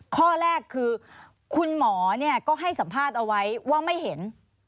ข้อแรกคือคุณหมอก็ให้สัมภาษณ์เอาไว้ว่าไม่เห็น